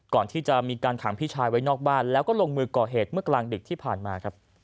ก่อนที่จะมีการขังพี่ชายไว้นอกบ้านแล้วก็ลงมือก่อเหตุเมื่อกลางดึกที่ผ่านมาครับ